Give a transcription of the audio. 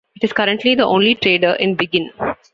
It is currently the only trader in Biggin.